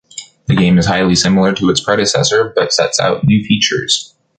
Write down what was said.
The game is highly similar to its predecessor, but sets out new features.